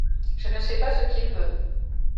Je ne sais pas ce qu’il veut.